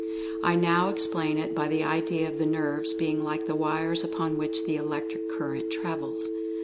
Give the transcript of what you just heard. I now explain it by the idea of the nerves being like the wires upon which the electric current travels.